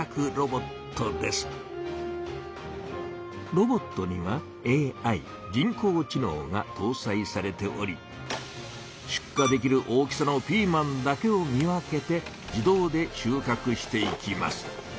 ロボットには「ＡＩ」「人工知のう」がとうさいされておりしゅっかできる大きさのピーマンだけを見分けて自動で収穫していきます。